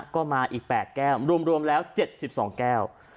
ก็มาอีก๘แก้วรวมแล้ว๗๒แก้ว